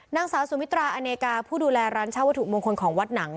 นางสาวสุมิตราอเนกาผู้ดูแลร้านเช่าวัตถุมงคลของวัดหนัง